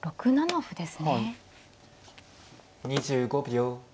２５秒。